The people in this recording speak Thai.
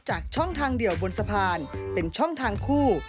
ช่องทางเดียวบนสะพานเป็นช่องทางคู่